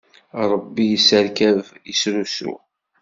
Ṛebbi isserkab isrusu.